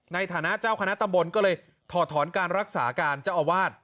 ในฐานะเจ้าคณะตำบลก็เลยถอดถอนการรักษาการเจ้าอาวาส